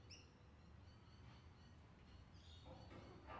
Here, let me show you again.